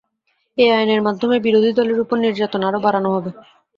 এ আইনের মাধ্যমে বিরোধী দলের ওপর নির্যাতন আরও বাড়ানো হবে।